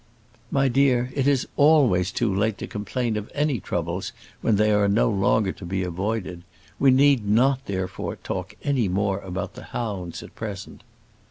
"My dear, it is always too late to complain of any troubles when they are no longer to be avoided. We need not, therefore, talk any more about the hounds at present."